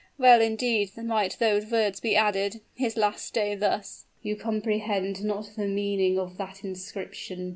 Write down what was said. well indeed might those words be added 'His last day thus!'" "You comprehend not the meaning of that inscription!"